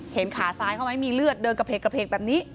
เห็นขาซ้ายเขาไหมมีเลือดเดินกระเพกแบบนี้